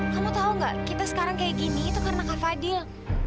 kamu tau gak kita sekarang kayak gini itu karena kak fadil